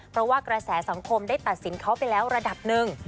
เพราะว่ากระแสสังคมได้ตัดสินเขาไปแล้วระดับหนึ่ง